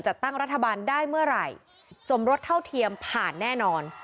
ตั้งรัฐบาลได้เมื่อไหร่สมรสเท่าเทียมผ่านแน่นอน